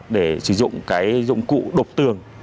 để sử dụng cái dụng cụ độc tường